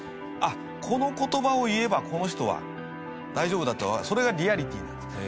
あっこの言葉を言えばこの人は大丈夫だとそれが「リアリティ」なんです。